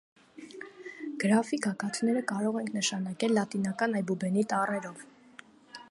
Գրաֆի գագաթները կարող ենք նշանակել լատինական այբուբենի տառերով։